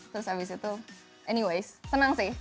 terus habis itu anyways senang sih